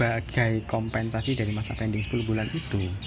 sebagai kompensasi dari masa pending sepuluh bulan itu